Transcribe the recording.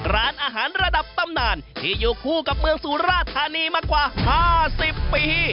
ร้านอาหารระดับตำนานที่อยู่คู่กับเมืองสุราธานีมากว่า๕๐ปี